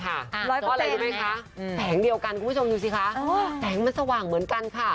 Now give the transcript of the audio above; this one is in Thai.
เพราะอะไรรู้ไหมคะแสงเดียวกันคุณผู้ชมดูสิคะแสงมันสว่างเหมือนกันค่ะ